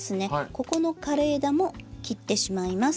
ここの枯れ枝も切ってしまいます。